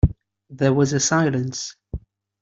There was a silence.